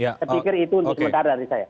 ketikir itu untuk sementara dari saya